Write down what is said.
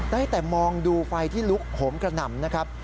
ได้แต่มองดูไฟที่ลุกโหมกระหน่ำนะครับ